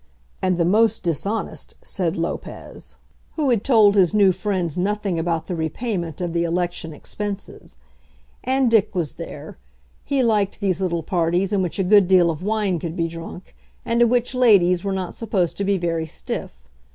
"And the most dishonest," said Lopez, who had told his new friends nothing about the repayment of the election expenses. And Dick was there. He liked these little parties, in which a good deal of wine could be drunk, and at which ladies were not supposed to be very stiff.